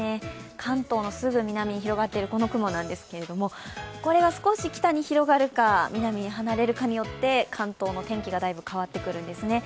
関東のすぐ南に広がっているこの雲なんですがこれが少し北に広がるか南に離れるかによって関東の天気がだいぶ変わってくるんですね。